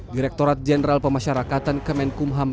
direktorat jenderal pemasyarakatan kemenkumham